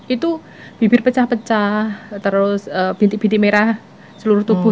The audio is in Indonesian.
itu bibir pecah pecah terus bintik bintik merah seluruh tubuh